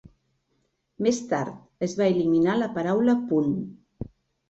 Més tard, es va eliminar la paraula "Punt".